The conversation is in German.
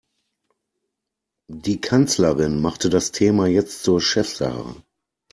Die Kanzlerin machte das Thema jetzt zur Chefsache.